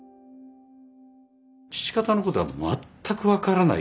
父方のことは全く分からない。